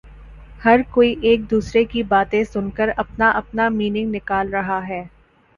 ہر کوئی ایک دوسرے کی باتیں سن کر اپنا اپنا مینینگ نکال رہا ہے